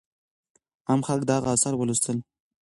عام خلک د هغې آثار ولوستل.